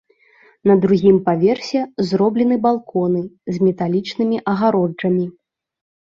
На другім паверсе зроблены балконы з металічнымі агароджамі.